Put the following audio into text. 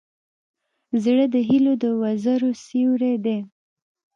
زړه د هيلو د وزرو سیوری دی.